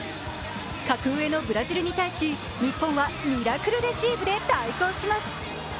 格上のブラジルに対し、日本はミラクルレシーブで対抗します。